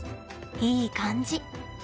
いい感じ。